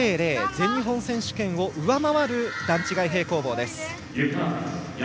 全日本選手権を上回る段違い平行棒です。